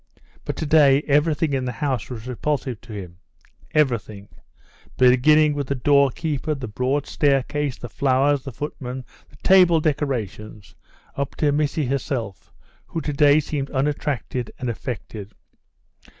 But to day everything in the house was repulsive to him everything: beginning with the doorkeeper, the broad staircase, the flowers, the footman, the table decorations, up to Missy herself, who to day seemed unattractive and affected.